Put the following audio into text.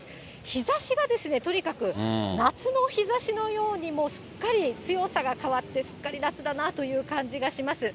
日ざしがですね、とにかく夏の日ざしのようにもうすっかり強さが変わって、すっかり夏だなという感じがします。